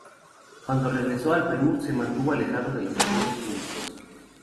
Cuando regresó al Perú, se mantuvo alejado de los asuntos públicos.